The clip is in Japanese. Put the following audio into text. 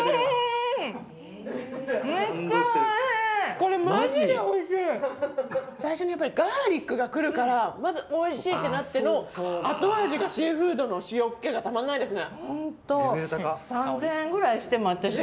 これマジでおいしい最初にやっぱりガーリックがくるからまずおいしいってなっての後味がシーフードの塩っ気がたまんないですね